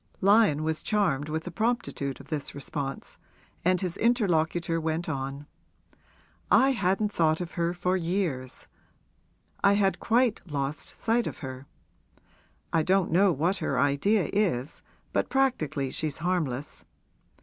Lyon was charmed with the promptitude of this response, and his interlocutor went on: 'I hadn't thought of her for years I had quite lost sight of her. I don't know what her idea is, but practically she's harmless.